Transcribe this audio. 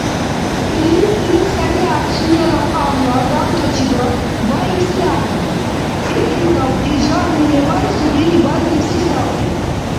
Илис ил санигӀят сунела кьамла адамтачибад баибси ахӀенри, пикрикавхъи, жагьли левай сунени баргибси сабри.